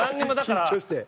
緊張して。